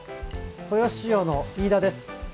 豊洲市場の飯田です。